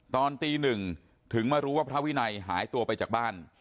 ตอนตีหนึ่งถึงมารู้ว่าพระวินัยหายตัวไปจากบ้าน